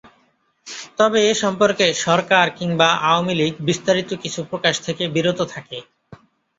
তবে এ সম্পর্কে সরকার কিংবা আওয়ামী লীগ বিস্তারিত কিছু প্রকাশ থেকে বিরত থাকে।